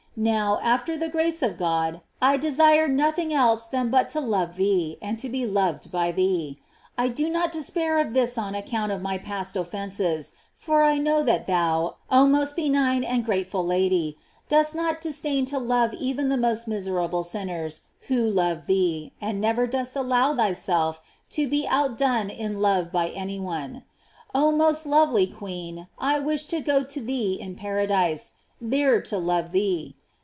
Now, after the grace of God, I desire nothing else than but to love thee, and to be loved by thee. I do not despair of this on account of my past offences, for I know that thou, oh most benign and grateful Lady, dost not disdain to love even the most miserable sinners who love thee, "ever dost allow thyself to be outdone in 290 GLORIES OF MARY. love by any one. Ob most lovely queen, I wish to go to thee in paradise, there to love thee.